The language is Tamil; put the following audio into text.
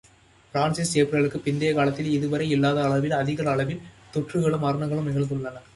பிரான்ஸில் ஏப்ரலுக்குப் பிந்தைய காலத்தில் இதுவரை இல்லாத அளவில் அதிக அளவில் தொற்றுகளும், மரணங்களும் நிகழ்ந்துள்ளன.